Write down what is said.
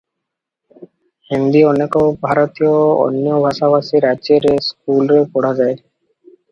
ହିନ୍ଦୀ ଅନେକ ଭାରତୀୟ ଅନ୍ୟ ଭାଷାଭାଷୀ ରାଜ୍ୟରେ ସ୍କୁଲରେ ପଢ଼ାଯାଏ ।